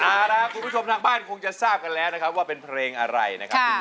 เอาล่ะคุณผู้ชมทางบ้านคงจะทราบกันแล้วนะครับว่าเป็นเพลงอะไรนะครับ